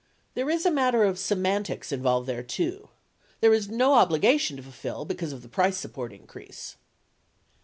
There is a matter of semantics involved there, too. There is no obligation to fulfill because of the price support increase.